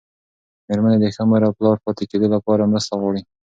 مېرمنې د ښه مور او پلار پاتې کېدو لپاره مرسته غواړي.